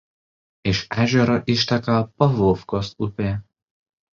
Iš ežero išteka "Pavluvkos" upė.